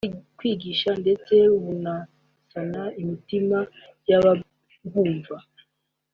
bwigisha ndetse bunasana imitima y’abawumva